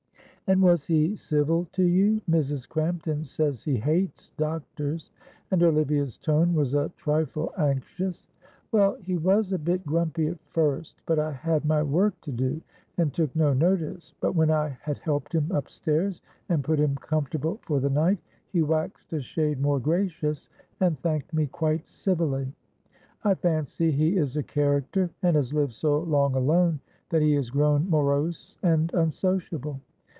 "And was he civil to you? Mrs. Crampton says he hates doctors," and Olivia's tone was a trifle anxious. "Well, he was a bit grumpy at first, but I had my work to do, and took no notice, but when I had helped him upstairs and put him comfortable for the night, he waxed a shade more gracious and thanked me quite civilly. I fancy he is a character and has lived so long alone that he has grown morose and unsociable.